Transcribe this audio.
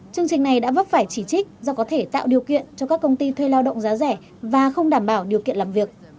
chương trình này đã vấp phải chỉ trích do có thể tạo điều kiện cho các công ty thuê lao động giá rẻ và không đảm bảo điều kiện làm việc